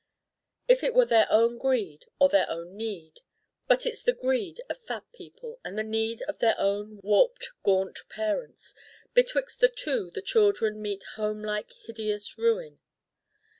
If it were their own greed or their own need but it's the greed of fat people and the need of their own warped gaunt parents. Betwixt the two the children meet homelike hideous ruin.